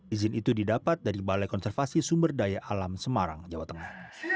izin itu didapat dari balai konservasi sumber daya alam semarang jawa tengah